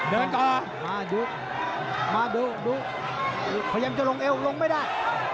เดินต่อมาดูมาดูพยายามจะลงเอวลงไม่ได้